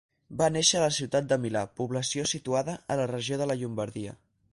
Va néixer a la ciutat de Milà, població situada a la regió de la Llombardia.